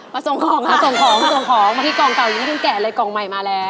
มาส่งของครับส่งของใกล้กองไหมมาแล้ว